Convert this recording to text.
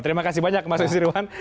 terima kasih banyak mas nusirwan